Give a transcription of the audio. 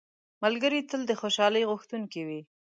ملګری تل د خوشحالۍ غوښتونکی وي